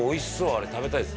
あれ食べたいです」